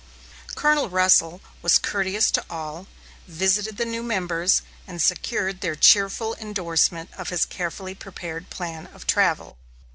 Colonel Russell was courteous to all; visited the new members, and secured their cheerful indorsement of his carefully prepared plan of travel.